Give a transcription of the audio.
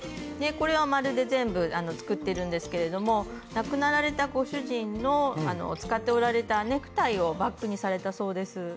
これは丸で全部作ってるんですけれども亡くなられたご主人の使っておられたネクタイをバッグにされたそうです。